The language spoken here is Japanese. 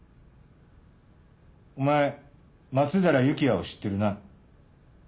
お前松寺有紀也を知ってるな？